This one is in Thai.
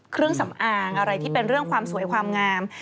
เครื่องสำอางอะไรที่เป็นเรื่องความสวยความงาม